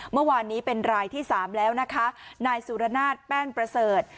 เมื่อวานนี้เป็นรายที่สามแล้วนะคะนายสุรนาศแป้นประเสริฐ